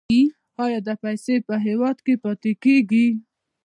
آیا دا پیسې په هیواد کې پاتې کیږي؟